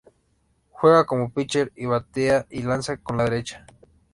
Juega como pitcher y batea y lanza con la derecha.